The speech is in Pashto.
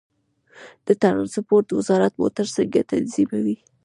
د ترانسپورت وزارت موټر څنګه تنظیموي؟